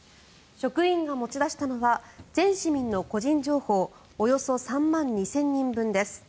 職員が持ち出したのは全市民の個人情報およそ３万２０００人分です。